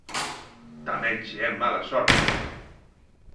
Tamén che é mala sorte!